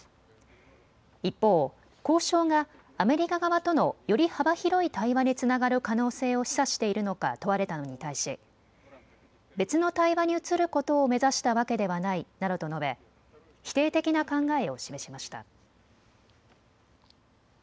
一方、交渉がアメリカ側とのより幅広い対話につながる可能性を示唆しているのか問われたのに対し別の対話に移ることを目指したわけではないなどと述べ否定的な考えを示しました。